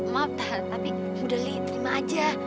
maaf tapi bu dali terima aja